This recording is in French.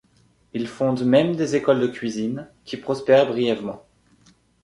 Il fonde même des écoles de cuisine, qui prospèrent brièvement.